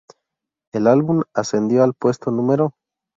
El álbum ascendió al puesto Nro.